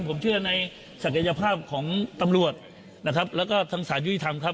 ผมเชื่อในศักยภาพของตำรวจนะครับแล้วก็ทางสารยุติธรรมครับ